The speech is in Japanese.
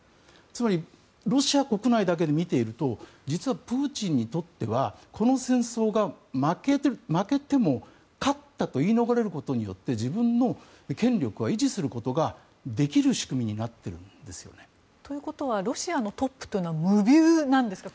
つまりロシア国内だけで見ていると実はプーチンにとってはこの戦争が負けても勝ったと言い逃れることによって自分の権力を維持することができる仕組みになっているんですよね。ということはロシアのトップは無びゅうなんですか？